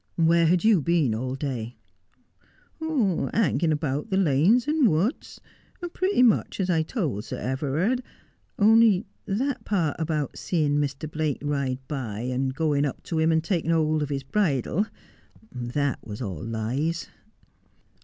' Where had you been all day ?'' Hangin' about the lanes and woods, pretty much as I told Sir Everard. Only that part about seein' Mr. Blake ride by, and goin' up to him, and taking hold of his bridle — that was all lies.'